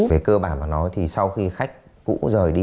về cơ bản mà nói thì sau khi khách cũ rời đi